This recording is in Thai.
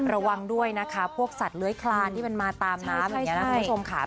ระวังด้วยนะคะพวกสัตว์เลื้อยคลานที่มันมาตามน้ำอย่างนี้นะคุณผู้ชมค่ะ